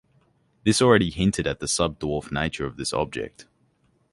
This already hinted at the subdwarf nature of this object.